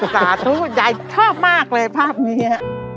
จ้ะทุกคนยายชอบมากเลยภาพนี้